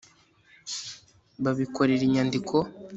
babikorera inyandiko